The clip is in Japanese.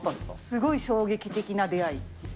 すごい衝撃的な出会い。